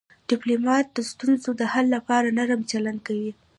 ډيپلومات د ستونزو د حل لپاره نرم چلند کوي.